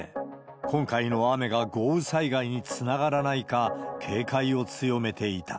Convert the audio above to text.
今回の雨が豪雨災害につながらないか、警戒を強めていた。